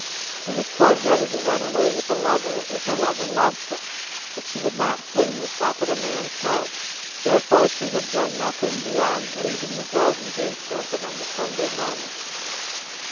She was quite ready to run away with a lover, if her lover loved her; but she would not fling herself at a man's head. Therefore she had done nothing, beyond leaving the garden gates open on the Sunday morning.